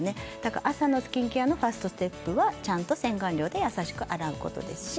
朝のスキンケアのファーストステップは洗顔料で優しく洗うことです。